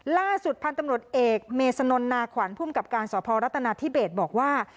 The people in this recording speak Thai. ล่าสุดพันธุ์ตำรวจเอกเมษนนนาขวัญภูมิกับการสพรัฐนาธิเบศบอกว่า